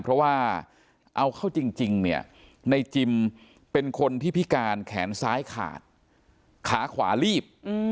เพราะว่าเอาเข้าจริงเนี่ยในจิมเป็นคนที่พิการแขนซ้ายขาดขาขวาลีบ